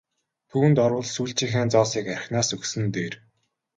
Түүнд орвол сүүлчийнхээ зоосыг архинаас өгсөн нь дээр!